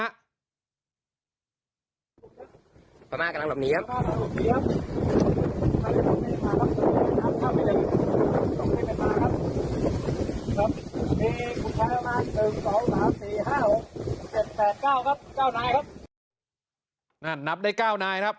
ห้าห้าห้อเจ็บแปดเก้าครับเก้านายครับนั่ทนับได้เก้านายครับ